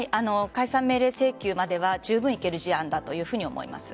解散命令・請求まではじゅうぶんいける事案だと思います。